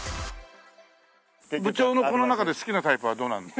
部長のこの中で好きなタイプはどれなんですか？